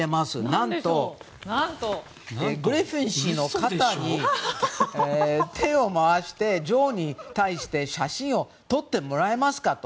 何と、グリフィン氏の肩に手を回して女王に対して写真を撮ってもらえますかと。